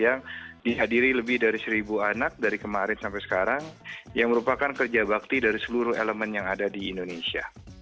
yang dihadiri lebih dari seribu anak dari kemarin sampai sekarang yang merupakan kerja bakti dari seluruh elemen yang ada di indonesia